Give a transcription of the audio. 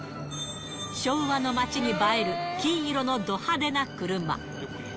昭和の街に映える金色のド派手な車。